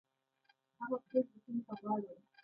هغه کور د سیند په غاړه و.